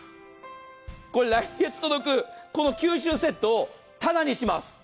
これ来月届く九州セットをただにします。